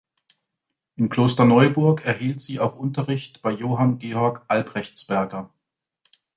In Klosterneuburg erhielt sie auch Unterricht bei Johann Georg Albrechtsberger.